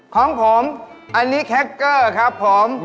ของผมอันนี้แคคเกอร์ครับผม